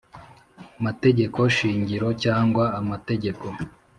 Mategeko Shingiro cyangwa Amategeko